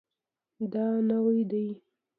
دا نوی دی